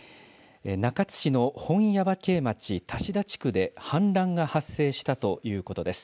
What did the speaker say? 中津市の本耶馬渓町多志田地区で氾濫が発生したということです。